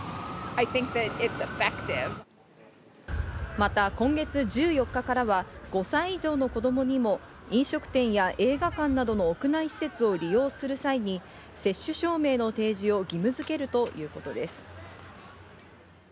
また今月１４日からは、５歳以上の子供にも飲食店や映画館などの屋内施設を利用する際に接種証明の提示を義務づけるということです。